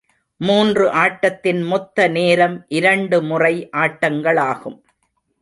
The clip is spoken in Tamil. மூன்று ஆட்டத்தின் மொத்த நேரம் இரண்டு முறை ஆட்டங்களாகும்.